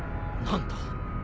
何だ？